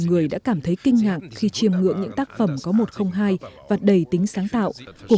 người đã cảm thấy kinh ngạc khi chiêm ngưỡng những tác phẩm có một không hai và đầy tính sáng tạo của